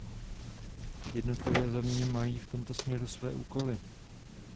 Jednotlivé země mají v tomto směru své úkoly.